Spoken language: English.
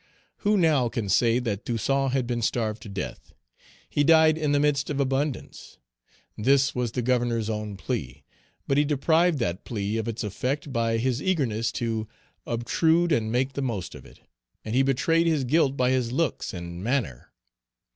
Who now can say that Toussaint had been starved to death? He died in the midst of abundance. This was the Governor's own plea. But he deprived that plea of its effect by his eagerness to obtrude and make the most of it; and he betrayed his guilt by his looks and manner.